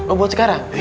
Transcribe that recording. oh buat sekarang